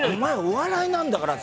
「お笑いなんだから」